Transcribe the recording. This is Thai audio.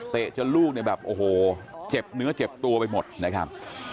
จนลูกเนี่ยแบบโอ้โหเจ็บเนื้อเจ็บตัวไปหมดนะครับ